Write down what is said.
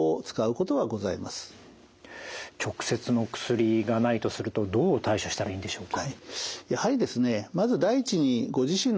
直接の薬がないとするとどう対処したらいいんでしょうか？